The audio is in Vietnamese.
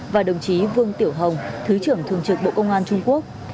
và đồng chí vương tiểu hồng thứ trưởng thường trực bộ công an trung quốc